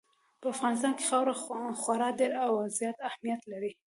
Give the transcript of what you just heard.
په افغانستان کې خاوره خورا ډېر او زیات اهمیت لري.